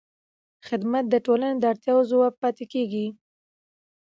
خدمت د ټولنې د اړتیاوو ځواب پاتې کېږي.